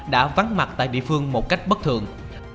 đã vắng mặt tại địa phương một cách nổi tiếng